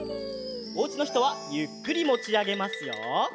おうちのひとはゆっくりもちあげますよ。